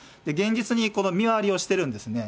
現実にこの見回りをしているんですね。